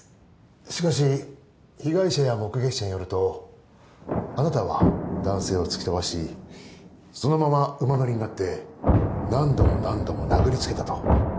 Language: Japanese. ・しかし被害者や目撃者によるとあなたは男性を突き飛ばしそのまま馬乗りになって何度も何度も殴りつけたと。